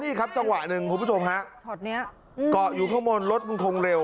นี่ครับจังหวะหนึ่งผู้ชมค่ะกดอยู่ข้างบนรถมันคงเร็ว